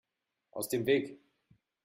Aus dem Weg!